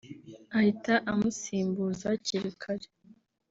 ahita amusimbuza hakiri kare